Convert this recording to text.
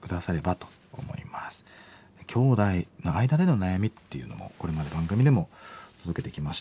きょうだいの間での悩みっていうのもこれまで番組でも届けてきました。